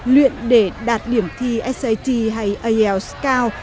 luyện để đạt điểm thi sat hay ielts cao